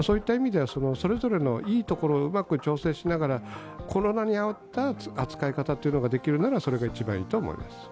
それぞれのいいところをうまく調整しながらコロナに合った扱い方ができるならそれが一番いいと思います。